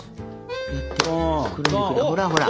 ほらほら。